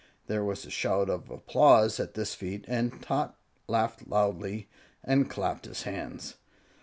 There was a shout of applause at this feat, and Tot laughed loudly and clapped his hands.